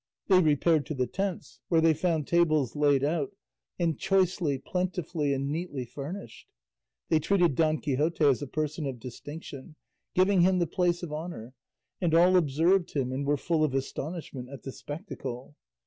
They repaired to the tents, where they found tables laid out, and choicely, plentifully, and neatly furnished. They treated Don Quixote as a person of distinction, giving him the place of honour, and all observed him, and were full of astonishment at the spectacle.